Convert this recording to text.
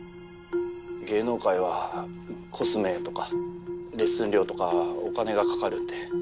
芸能界はコスメとかレッスン料とかお金が掛かるって。